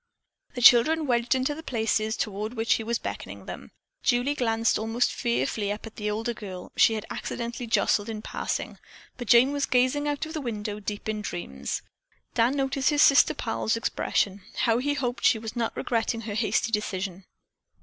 The children wedged into the places toward which he was beckoning them. Julie glanced almost fearfully up at the older girl she had accidentally jostled in passing, but Jane was gazing out of the window deep in dreams. Dan noticed his sister pal's expression. How he hoped she was not regretting her hasty decision.